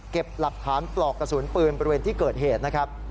หลักฐานปลอกกระสุนปืนบริเวณที่เกิดเหตุนะครับ